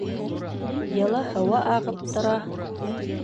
Йылы һыуы ағып тора.